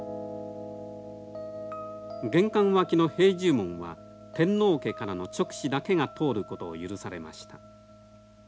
玄関脇の塀重門は天皇家からの勅使だけが通ることを許されました。